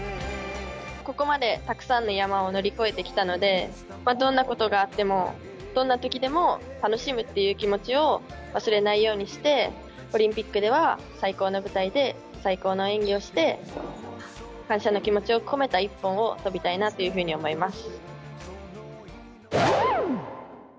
ここまでたくさんの山を乗り越えてきたので、どんなことがあっても、どんなときでも楽しむっていう気持ちを忘れないようにして、オリンピックでは最高の舞台で、最高の演技をして、感謝の気持ちを込めた一本を跳びたいなというふうに思います。